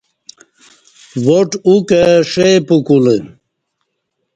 واٹ او کہ ݜے پُکولہ